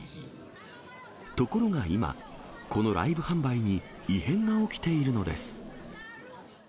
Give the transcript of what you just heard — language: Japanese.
ところが今、このライブ販売に異変が起きているのです。